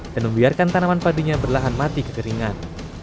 dan membiarkan tanaman padinya berlahan mati kekeringan